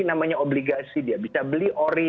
namanya obligasi dia bisa beli ori